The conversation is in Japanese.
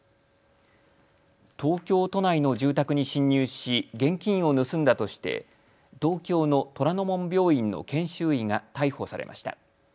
東京都内の住宅に侵入し現金を盗んだとして東京の虎の門病院の研修医が逮捕されました。